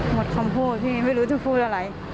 หมดคำพูดพี่ไม่รู้จะพูดอะไร